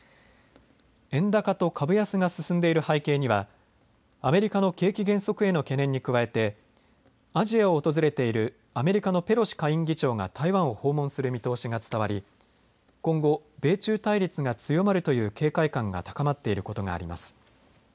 円高と株安が進んでいる背景にはアメリカの景気減速への懸念に加えてアジアを訪れているアメリカのペロシ下院議長が台湾を訪問する見通しが伝わり、今後、米中対立が強まるという警戒感が高まっていることがあります。